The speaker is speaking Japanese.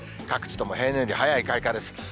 各地とも平年より早い開花です。